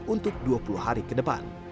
untuk dua puluh hari ke depan